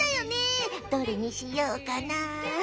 どれにしようかな？